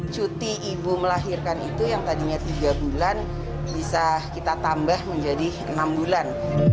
cuti ibu melahirkan itu yang tadinya tiga bulan bisa kita tambah menjadi enam bulan